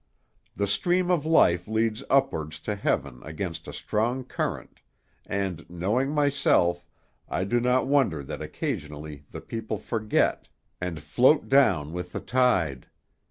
The stream of life leads upwards to heaven against a strong current, and, knowing myself, I do not wonder that occasionally the people forget, and float down with the tide.